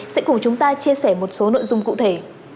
sẽ cùng chúng ta chia sẻ một số nội dung cụ thể